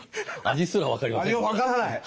味も分からない。